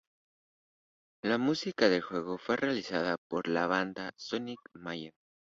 La música del juego fue realizada por la banda Sonic Mayhem.